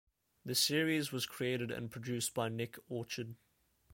The series was created and produced by Nick Orchard.